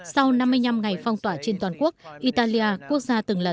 sau năm mươi năm ngày phong tỏa trên toàn quốc italia quốc gia từng là